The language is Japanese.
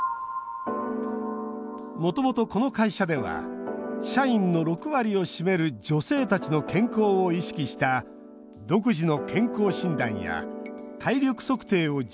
もともとこの会社では社員の６割を占める女性たちの健康を意識した独自の健康診断や体力測定を充実させてきました